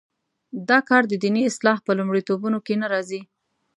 دا کار د دیني اصلاح په لومړیتوبونو کې نه راځي.